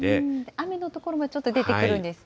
雨の所もちょっと出てくるんですね。